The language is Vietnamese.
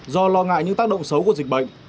do lo ngại những tác động xấu của dịch bệnh